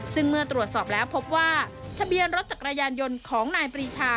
ซึ่งเมื่อตรวจสอบแล้วพบว่าทะเบียนรถจักรยานยนต์ของนายปรีชา